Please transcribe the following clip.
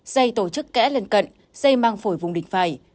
dây tổ chức kẽ lên cận dây mang phổi vùng đỉnh phải